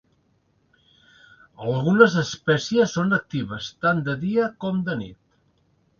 Algunes espècies són actives tant de dia com de nit.